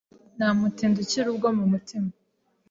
nta mutindi ukira ubwo mu mutima,